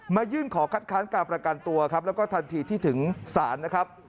ยื่นขอคัดค้านการประกันตัวครับแล้วก็ทันทีที่ถึงศาลนะครับ